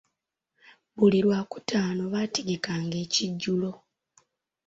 Buli lwakutaano baategekanga ekijjulo.